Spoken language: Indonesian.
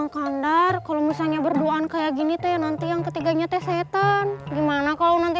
kandar kalau misalnya berduaan kayak gini teh nanti yang ketiganya teh setan gimana kalau nanti